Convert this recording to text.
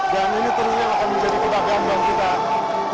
dan ini tentunya akan menjadi kebagangan kita